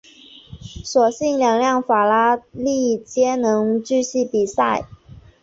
所幸两辆法拉利皆能继续比赛。